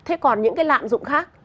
thế còn những cái lạm dụng khác